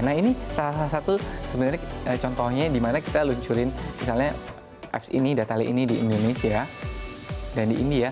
nah ini salah satu sebenarnya contohnya dimana kita luncurin misalnya apps ini datali ini di indonesia dan di india